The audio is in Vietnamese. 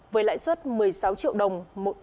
với lãi suất một mươi sáu triệu đồng